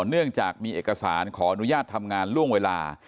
เนื่องจากมีเอกสารขออนุญาตทำงานล่วงเวลา